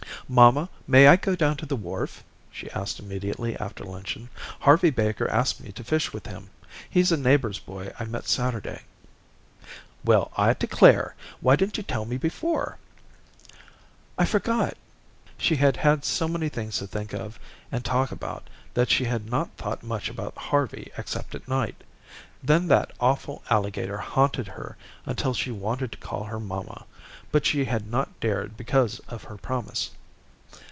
"Mamma, may I go down to the wharf?" she asked immediately after luncheon. "Harvey Baker asked me to fish with him. He's a neighbor's boy I met Saturday." "Well, I declare. Why didn't you tell me before?" "I forgot." She had had so many things to think of and talk about, that she had not thought much about Harvey except at night. Then that awful alligator haunted her until she wanted to call her mamma, but she had not dared because of her promise.